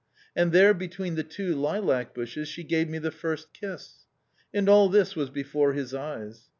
And there between the two lilac bushes, she gave me the first kiss." And all this was before his eyes.